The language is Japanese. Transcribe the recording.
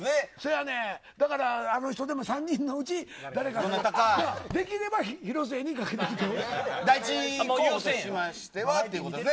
だから、あの人３人のうち誰かができれば広末にかけてきてほしい。